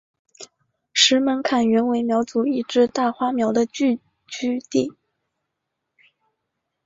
石门坎原为苗族一支大花苗的聚居地。